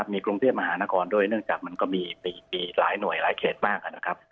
มีกรุงเทพมหานครด้วยเนื่องจากมันก็มีหลายหน่วยหลายเขตมากนะครับ